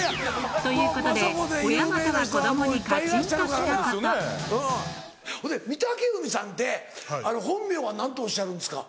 ほんで御嶽海さんって本名は何ておっしゃるんですか？